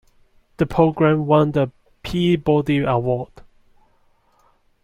The program won the Peabody Award.